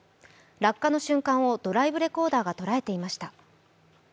落下の瞬間をドライブレコーダーが捉えていました。